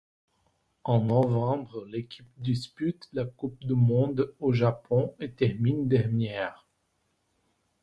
En novembre, l'équipe dispute la coupe du monde au Japon et termine dernière.